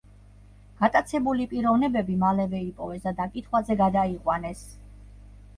გატაცებული პიროვნებები მალევე იპოვეს და დაკითხვაზე გადაიყვანეს.